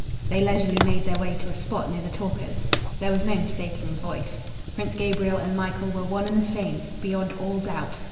They leisurely made their way to a spot near the talkers. There was no mistaking the voice. Prince Gabriel and Michael were one and the same, beyond all doubt.